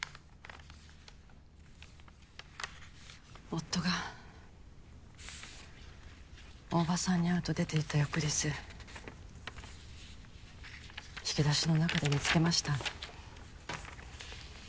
夫が大庭さんに会うと出ていった翌日引き出しの中で見つけました